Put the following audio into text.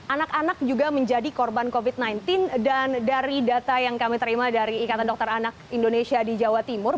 anak anak juga menjadi korban covid sembilan belas dan dari data yang kami terima dari ikatan dokter anak indonesia di jawa timur